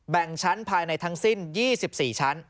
แบ่งชั้นภายในทางสิ้น๒๔ชั้น